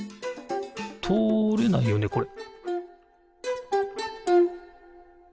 とおれないよねこれ？